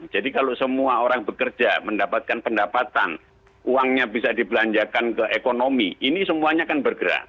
jadi kalau semua orang bekerja mendapatkan pendapatan uangnya bisa dibelanjakan ke ekonomi ini semuanya akan bergerak